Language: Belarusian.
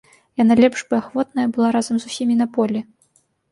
Яна лепш бы ахвотная была разам з усімі на полі.